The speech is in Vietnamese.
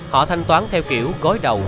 họ thanh toán theo kiểu gối đầu